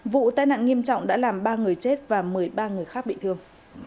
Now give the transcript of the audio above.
vụ tai nạn nghiêm trọng đã làm ba người chết và một mươi ba người khác bị thương